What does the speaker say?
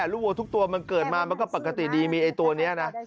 วัวทุกตัวมันเกิดมามันก็ปกติดีมีไอ้ตัวนี้นะ